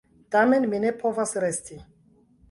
Tamen mi ne povas resti.